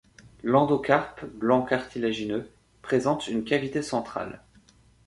L'endocarpe, blanc cartilagineux, présente une cavité centrale.